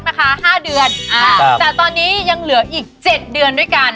นะคะ๕เดือนแต่ตอนนี้ยังเหลืออีก๗เดือนด้วยกัน